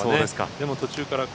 でも途中から。